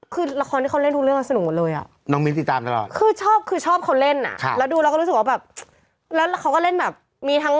คือละครที่เขาเล่นทุกเรื่องมันสนุกหมดเลยอะ